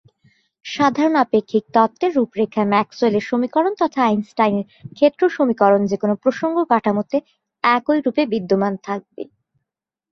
সাধারণ আপেক্ষিক তত্ত্বের রূপরেখায়, ম্যাক্সওয়েলের সমীকরণ তথা আইনস্টাইনের ক্ষেত্র সমীকরণ যেকোন প্রসঙ্গ কাঠামোতে একই রূপে বিদ্যমান থাকবে।